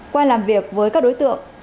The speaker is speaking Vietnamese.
qua làm việc với các đối tượng